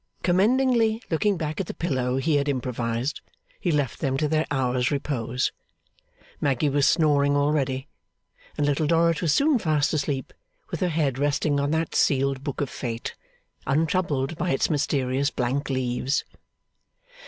Commendingly looking back at the pillow he had improvised, he left them to their hour's repose. Maggy was snoring already, and Little Dorrit was soon fast asleep with her head resting on that sealed book of Fate, untroubled by its mysterious blank leaves.